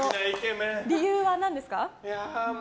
理由は何ですか？